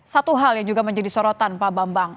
satu hal yang juga menjadi sorotan pak bambang